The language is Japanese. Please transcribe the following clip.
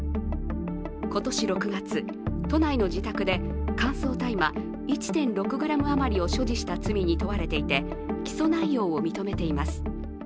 今年６月、都内の自宅で乾燥大麻１．６ｇ余りを所持した罪に問われていて起訴内容を認めています。